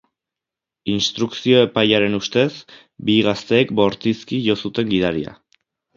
Instrukzio epailearen ustez, bi gazteek bortizki jo zuten gidaria.